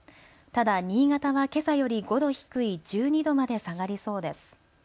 ただ新潟はけさより５度低い１２度まで下がりそうです。